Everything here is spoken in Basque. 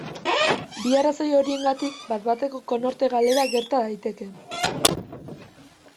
Bi arrazoi horiengatik bat-bateko konorte-galera gerta daiteke.